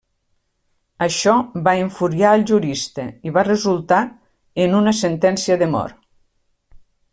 Això va enfuriar al jurista i va resultar en una sentència de mort.